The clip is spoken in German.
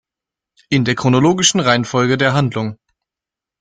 In der chronologischen Reihenfolge der Handlung